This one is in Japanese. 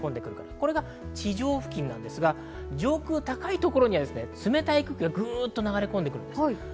これが地上付近ですが、上空高い所には冷たい空気が流れ込んできます。